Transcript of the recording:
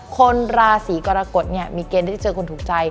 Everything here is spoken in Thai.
คนราศีกรกฎเนี่ยมีเกณฑ์ได้เจอกับคนถูกใจ